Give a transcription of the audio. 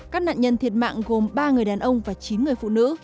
các nạn nhân thiệt mạng gồm ba người đàn ông và chín người phụ nữ